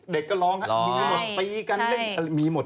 เด็กก็ร้องครับมีหมดตีกันเล่นมีหมด